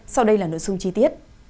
sau đây là nội dung chi tiết